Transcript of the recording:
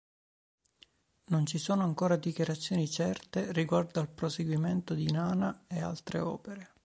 Non ci sono ancora dichiarazioni certe riguardo al proseguimento di "Nana" e altre opere.